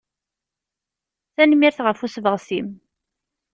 Tanemmirt ɣef usebɣes-im.